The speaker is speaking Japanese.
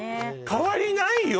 代わりないよ